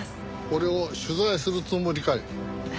俺を取材するつもりかい？